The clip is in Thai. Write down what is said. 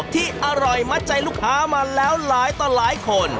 ที่อร่อยมัดใจลูกค้ามาแล้วหลายต่อหลายคน